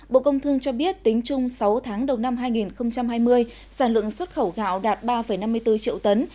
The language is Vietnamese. bộ công thương cho biết tính chung sáu tháng đầu năm hai nghìn hai mươi sản lượng xuất khẩu gạo đạt ba năm mươi bốn triệu tấn